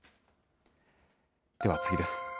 では次です。